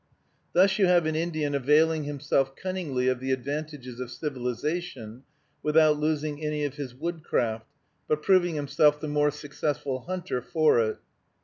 Thus you have an Indian availing himself cunningly of the advantages of civilization, without losing any of his woodcraft, but proving himself the more successful hunter for it.